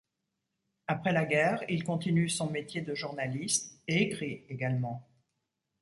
Après la guerre, il continue son métier de journaliste et écrit également.